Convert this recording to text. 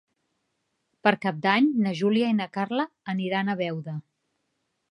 Per Cap d'Any na Júlia i na Carla aniran a Beuda.